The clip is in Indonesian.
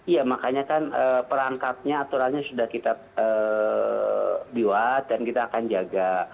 ya makanya kan perangkatnya aturannya sudah kita buat dan kita akan jaga